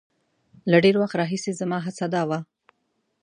له ډېر وخت راهیسې زما هڅه دا وه.